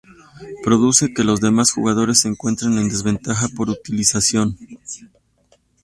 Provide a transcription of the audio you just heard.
Producen que los demás jugadores se encuentren en desventaja por su utilización.